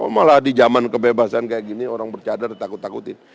kok malah di jaman kebebasan kayak gini orang bercadar takut takutin